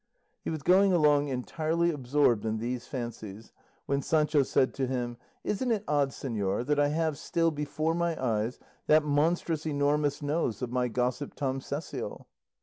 He was going along entirely absorbed in these fancies, when Sancho said to him, "Isn't it odd, señor, that I have still before my eyes that monstrous enormous nose of my gossip, Tom Cecial?"